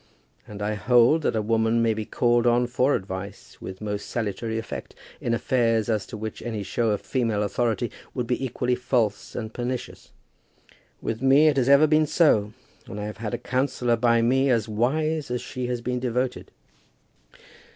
And I hold that a woman may be called on for advice, with most salutary effect, in affairs as to which any show of female authority would be equally false and pernicious. With me it has ever been so, and I have had a counsellor by me as wise as she has been devoted.